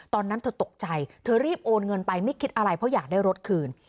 ตอนนั้นเธอตกใจเธอรีบโอนเงินไปไม่คิดอะไรเพราะอยากได้รถคืน